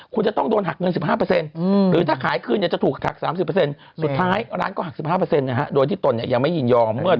คุณจะต้องโดนหักเงิน๑๕หรือถ้าขายคืนเนี่ยจะถูกหัก๓๐สุดท้ายร้านก็หัก๑๕นะฮะโดยที่ตนเนี่ยยังไม่ยินยอมเมื่อ